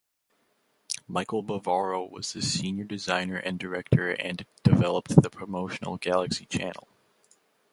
Michael Bavaro was the senior designer and director and developed the promotional Galaxy channel.